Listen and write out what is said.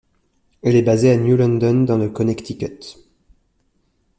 Elle est basée à New London dans le Connecticut.